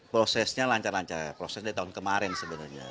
prosesnya lancar lancar ya prosesnya dari tahun kemarin sebenarnya